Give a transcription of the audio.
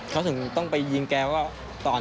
เขาถึงต้องไปยิงแกว่าก่อน